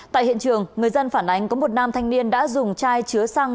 tại hiện trường người dân phản ánh có một nam thanh niên đã dùng chai chứa xăng